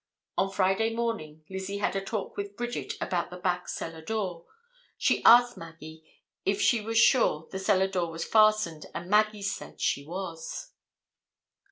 On Friday morning Lizzie had a talk with Bridget about the back cellar door; she asked 'Maggie' if she was sure the cellar door was fastened, and 'Maggie' said she was."